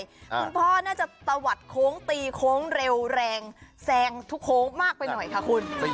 คุณพ่อน่าจะตะวัดโค้งตีโค้งเร็วแรงแซงทุกโค้งมากไปหน่อยค่ะคุณ